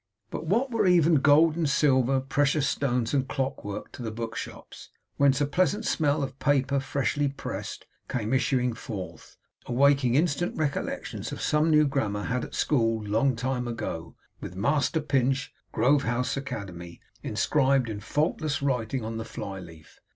But what were even gold and silver, precious stones and clockwork, to the bookshops, whence a pleasant smell of paper freshly pressed came issuing forth, awakening instant recollections of some new grammar had at school, long time ago, with 'Master Pinch, Grove House Academy,' inscribed in faultless writing on the fly leaf!